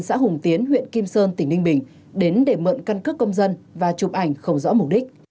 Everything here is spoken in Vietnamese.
xã hùng tiến huyện kim sơn tỉnh ninh bình đến để mượn căn cước công dân và chụp ảnh không rõ mục đích